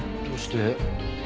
どうして？